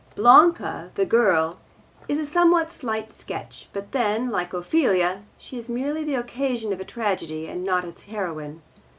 Blanca, the girl, is a somewhat slight sketch, but then, like Ophelia, she is merely the occasion of a tragedy and not its heroine.